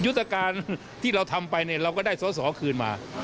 หยุดการที่เราทำไปเราก็ได้สอสอคืนมา